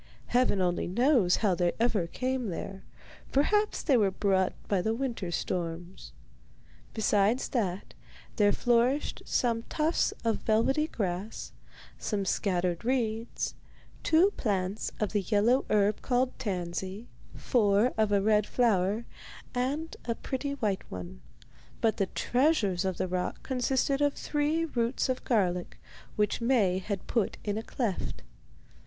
Heaven only knows how they ever came there; perhaps they were brought by the winter storms. Besides that, there flourished some tufts of velvety grass, some scattered reeds, two plants of the yellow herb called tansy, four of a red flower, and a pretty white one; but the treasures of the rock consisted of three roots of garlic, which Maie had put in a cleft.